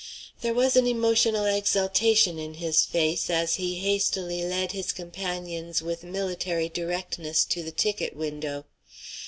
There was an emotional exaltation in his face as he hastily led his companions with military directness to the ticket window.